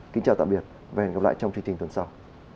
kính chào tạm biệt và hẹn gặp lại trong chương trình tuần sau